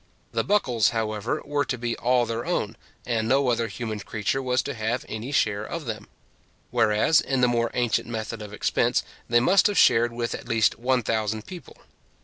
The buckles, however, were to be all their own, and no other human creature was to have any share of them; whereas, in the more ancient method of expense, they must have shared with at least 1000 people.